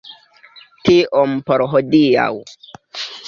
Tiom por hodiaŭ.